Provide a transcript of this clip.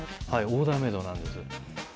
オーダーメードなんです。